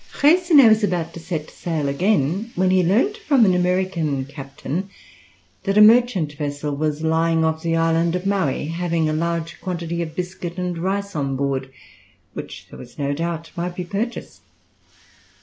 Freycinet was about to set sail again, when he learnt from an American captain that a merchant vessel was lying off the island of Miow, having a large quantity of biscuit and rice on board, which there was no doubt might be purchased.